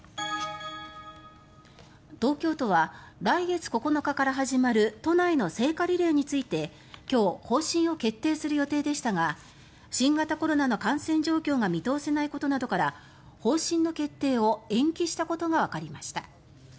東京都は来月９日から始まる都内の聖火リレーについて今日方針を決定する予定でしたが新型コロナの感染状況が見通せないことなどから方針の決定を延期したことがわかりました。